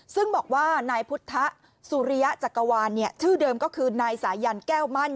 ซึ่งบอกว่านายพุทธสุริยะจักรวาลชื่อเดิมก็คือนายสายันแก้วมั่น